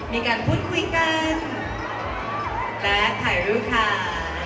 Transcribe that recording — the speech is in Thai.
มีการพูดคุยกันและถ่ายรูปค่ะ